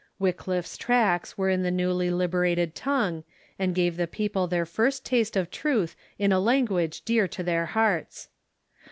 Wj'cliffe's tracts were in the newly liberated tongue, and gave the peo ple their first taste of truth in a language dear to their hearts.